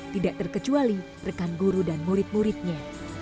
tidak terkecuali rekan guru dan murid muridnya